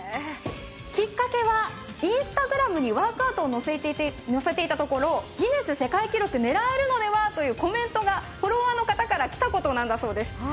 きっかけはＩｎｓｔａｇｒａｍにワークアウトを載せていたところ、ギネス世界記録狙えるのではというコメントがフォロワーの方からきたことなんだそうです。